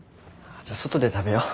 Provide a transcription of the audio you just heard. じゃあ外で食べよう。